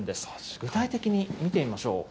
具体的に見てみましょう。